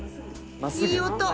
いい音！